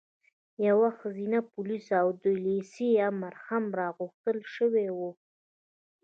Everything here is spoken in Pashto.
یوه ښځینه پولیسه او د لېسې امره هم راغوښتل شوې وه.